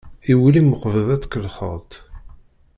I wul-im uqbel ad tkellxeḍ-t.